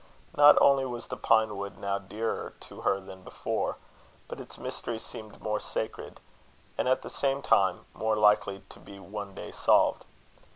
Not only was the pine wood now dearer to her than before, but its mystery seemed more sacred, and, at the same time, more likely to be one day solved.